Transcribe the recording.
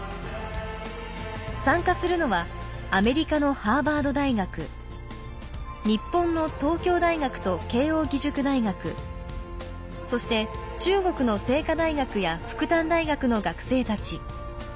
参加するのはアメリカのハーバード大学日本の東京大学と慶應義塾大学そして中国の清華大学や復旦大学の学生たち。